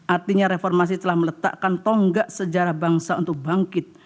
artinya reformasi telah meletakkan tonggak sejarah bangsa untuk bangkit